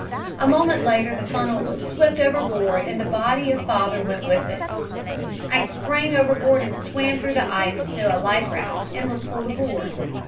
A moment later the funnel was swept overboard and the body of father went with it. "I sprang overboard and swam through the ice to a life raft, and was pulled aboard.